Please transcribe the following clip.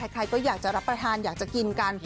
ใครก็อยากจะรับประทานอยากจะกินกัน